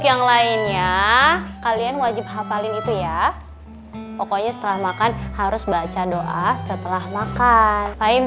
yang lainnya kalian wajib hafalin itu ya pokoknya setelah makan harus baca doa setelah makan kain